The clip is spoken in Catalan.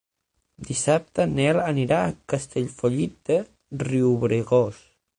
Dissabte en Nel anirà a Castellfollit de Riubregós.